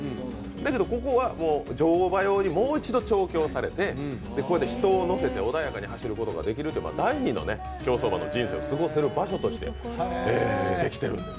だけど、ここは乗馬用にもう一度調教されて人を乗せて穏やかに走ることができる第二の競走馬の人生を過ごせる場所としてできてるんです。